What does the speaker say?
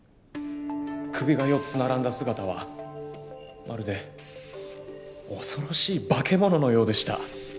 首が４つ並んだ姿はまるで恐ろしい化け物のようでした。